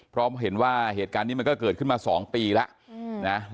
พร้อมเห็นว่าเหตุการณ์นี้มันก็เกิดขึ้นมา๒ปีแล้วนะ